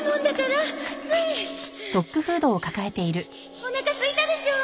おなかすいたでしょう？